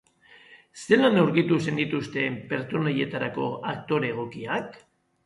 Zelan aurkitu zenituzten pertsonaietarako aktore egokiak?